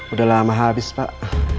udah lama habis pak